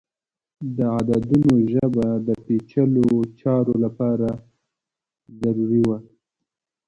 د عددونو ژبه د پیچلو چارو لپاره ضروری وه.